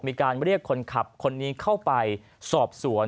มีการเรียกคนขับคนนี้เข้าไปสอบสวน